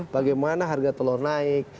bagaimana harga telur naik